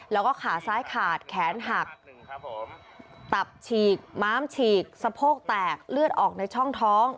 แล้วก็ขาซ้ายขาดแขนหักตับฉีกม้ามฉีกสะโพกแตกเลือดออกในช่องท้อง